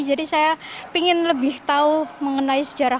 jadi saya ingin lebih tahu mengenai sejarah